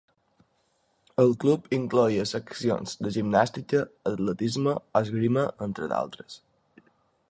El club incloïa seccions de gimnàstica, atletisme o esgrima entre d'altes.